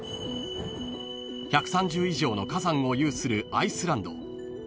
［１３０以上の火山を有するアイスランド］